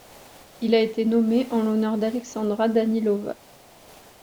Il a été nommé en l'honneur d'Alexandra Danilova.